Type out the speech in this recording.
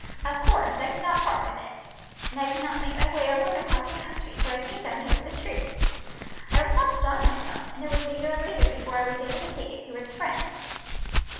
Av course, I could not part with it, and I could not make my way alone across the country, so I came down here with the troops. I was not strong myself, and it was a year later before I was able to take it to its friends."